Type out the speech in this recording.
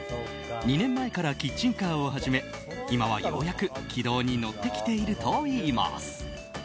２年前からキッチンカーを始め今は、ようやく軌道に乗ってきているといいます。